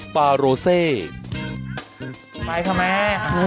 ไปค่ะแม่